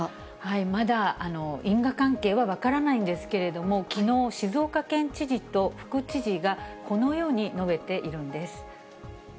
まだ因果関係は分からないんですけれども、きのう、静岡県知事と副知事がこのように述べているんです。